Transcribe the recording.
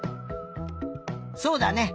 そうだね。